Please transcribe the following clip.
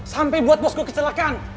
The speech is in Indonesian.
sampai buat bos gue kecelakaan